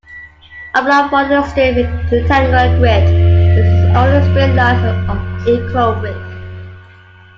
Oblong follows a strict rectangular grid and uses only straight lines of equal width.